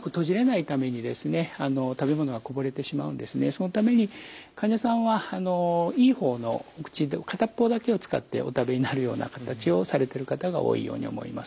これはそのために患者さんはいい方の口片っぽだけを使ってお食べになるような形をされてる方が多いように思います。